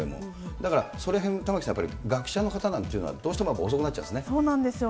だからそのへん玉城さん、やっぱり学者の方なんていうのは、どうしてもやっぱり遅くなっちゃそうなんですよ。